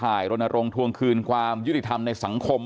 ประทานเครือข่ายรณรงค์ทวงคืนความยุติธรรมในสังคม